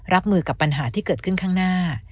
รับมือกับปัญหาที่เกิดขึ้นข้างหน้า